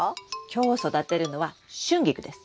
今日育てるのはシュンギクです。